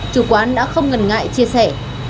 chủ quán đã không ngần ngại chia sẻ